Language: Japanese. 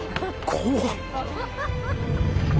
怖っ。